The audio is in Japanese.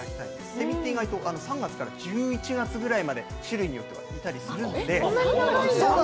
セミって意外と３月から１１月くらいまで種類によってはいたりするので。